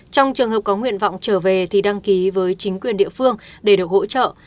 trong trường hợp có nguyện vọng trở về thì đăng ký với chính quyền địa phương để được hỗ trợ